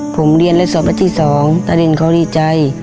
ผมเรียนและสอบวันที่๒ตารินเขาดีใจ